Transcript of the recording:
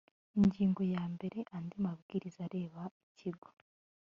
ingingo ya mbere andi mabwiriza areba ikigo